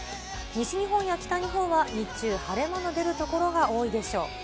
西日本や北日本は日中、晴れ間の出る所が多いでしょう。